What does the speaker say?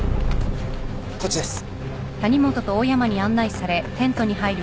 こっちです。